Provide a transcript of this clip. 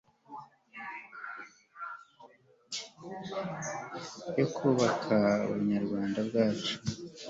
yo kubaka ubunyarwanda bwacu